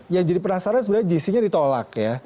yang jadi penasaran sebenarnya gc nya ditolak ya